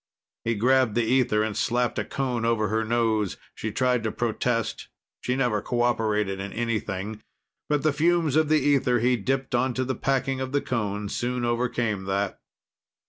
He grabbed the ether and slapped a cone over her nose. She tried to protest; she never cooperated in anything. But the fumes of the ether he dipped onto the packing of the cone soon overcame that.